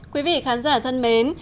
quý vị khán giả thân mến